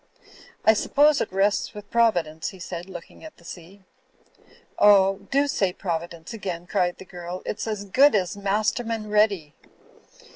"I suppose it rests with Providence," he said, look ing at the sea. "Oh, do say Providence again!" cried the girl. "It's as good as 'Masterman Ready.'